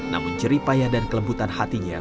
namun jeripaya dan kelembutan hatinya